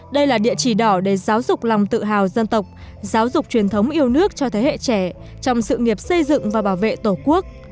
đây là địa chỉ đỏ để giáo dục lòng tự hào dân tộc giáo dục truyền thống yêu nước cho thế hệ trẻ trong sự nghiệp xây dựng và bảo vệ tổ quốc